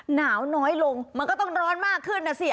หนาวน้อยลงมันก็ต้องร้อนมากขึ้นนะสิ